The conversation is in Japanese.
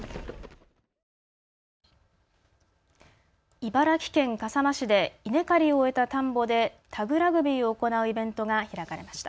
茨城県笠間市で稲刈りを終えた田んぼでタグラグビーを行うイベントが開かれました。